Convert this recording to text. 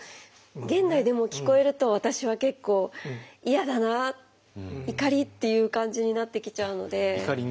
現代でも聞こえると私は結構嫌だな怒りっていう感じになってきちゃうので。